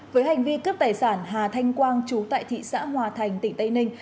với hành vi cướp tài sản hà thanh quang chú tại thị xã hòa thành tỉnh tây ninh